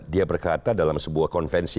dia berkata dalam sebuah konvensi